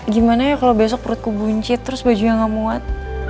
gimana ya kalau besok perutku buncit terus bajunya gak muat